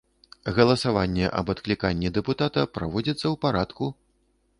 Галасаванне аб адкліканні дэпутата праводзіцца ў парадку.